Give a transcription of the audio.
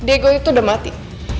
diego itu udah mati